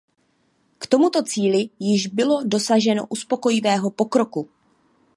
K tomuto cíli již bylo dosaženo uspokojivého pokroku.